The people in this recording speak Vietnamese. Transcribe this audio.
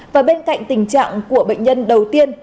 và bên cạnh tình trạng của bệnh nhân đầu tiên